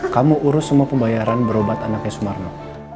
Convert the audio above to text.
kamu urus semua pembayaran berobat anaknya sumarno